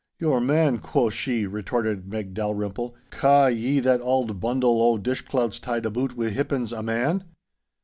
'Your "man," quo' she,' retorted Meg Dalrymple, 'ca' ye that auld bundle o' dish clouts tied aboot wi' hippens—a man!